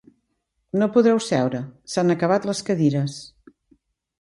No podreu seure: s'han acabat les cadires.